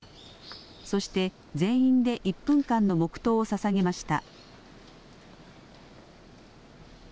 そして全員で１分間の黙とうをささげました。